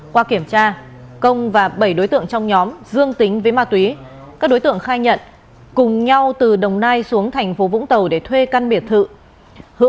qua kiểm tra công và bảy đối tượng trong nhóm dương tính với ma túy các đối tượng khai nhận cùng nhau từ đồng nai xuống thành phố vũng tàu để thuê căn biệt thự